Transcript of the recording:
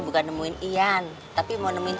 bukan nemuin iyan tapi mau nemuin